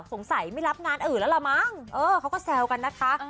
สงสัยไม่รับงานอื่นแล้วล่ะมั้งเออเขาก็แซวกันนะคะ